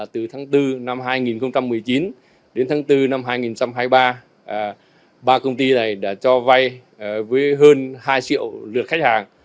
từ tháng bốn năm hai nghìn một mươi chín đến tháng bốn năm hai nghìn hai mươi ba ba công ty này đã cho vay với hơn hai triệu lượt khách hàng